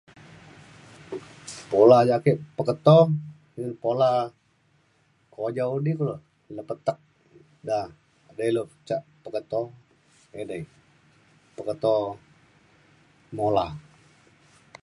pula ja ake peketo ngan pula kujau kudi kulo le petek da de ilu ca peketo edei peketo mula